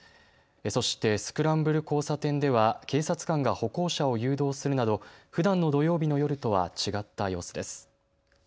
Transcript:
そしてスクランブル交差点では警察官が歩行者を誘導するなどふだんの土曜日の夜とは違った様子です。